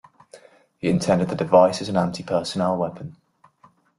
He intended the device as an anti-personnel weapon.